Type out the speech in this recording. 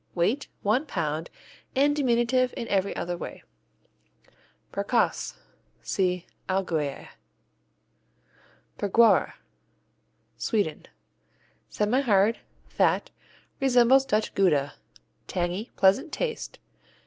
Weight one pound and diminutive in every other way. Bergkäse see Allgäuer. Bergquara Sweden Semihard, fat, resembles Dutch Gouda. Tangy, pleasant taste.